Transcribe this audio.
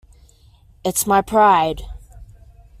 It's my pride.